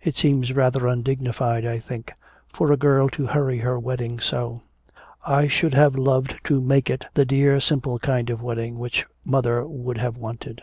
It seems rather undignified, I think, for a girl to hurry her wedding so. I should have loved to make it the dear simple kind of wedding which mother would have wanted.